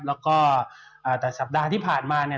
แล้วก็แต่สัปดาห์ที่ผ่านมาเนี่ย